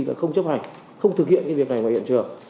đã không chấp hành không thực hiện cái việc này ngoài hiện trường